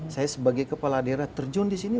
saya sebagai kepala daerah terjun disini